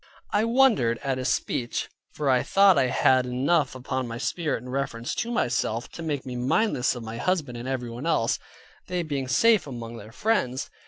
I wondered at his speech, for I thought I had enough upon my spirit in reference to myself, to make me mindless of my husband and everyone else; they being safe among their friends.